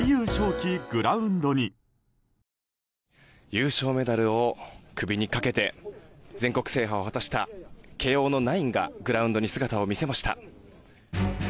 優勝メダルを首にかけて全国制覇を果たした慶応のナインがグラウンドに姿を見せました。